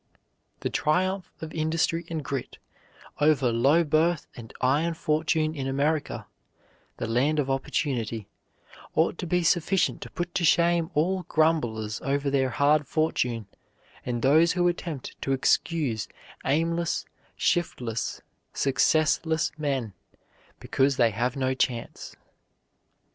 The triumph of industry and grit over low birth and iron fortune in America, the land of opportunity, ought to be sufficient to put to shame all grumblers over their hard fortune and those who attempt to excuse aimless, shiftless, successless men because they have no chance.